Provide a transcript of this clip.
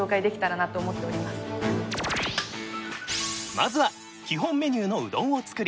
まずは基本メニューのうどんを作り